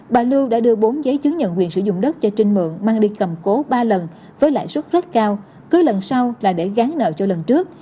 bà lưu đã đưa bốn giấy chứng nhận quyền sử dụng đất cho trinh mượn mang đi cầm cố ba lần với lãi suất rất cao cứ lần sau là để gắn nợ cho lần trước